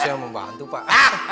saya mau bantu pak